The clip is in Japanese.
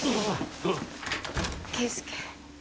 圭介。